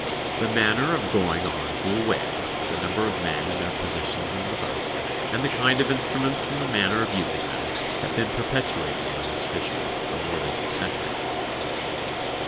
The manner of going on to a whale, the number of men and their positions in the boat, and the kind of instruments and the manner of using them, have been perpetuated in this fishery for more than two centuries.